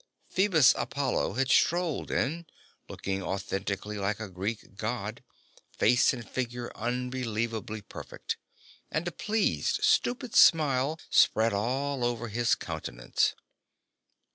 Phoebus Apollo had strolled in, looking authentically like a Greek God, face and figure unbelievably perfect, and a pleased, stupid smile spread all over his countenance.